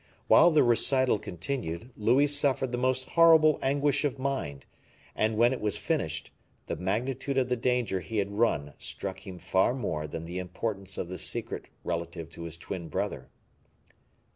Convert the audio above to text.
While the recital continued, Louis suffered the most horrible anguish of mind; and when it was finished, the magnitude of the danger he had run struck him far more than the importance of the secret relative to his twin brother.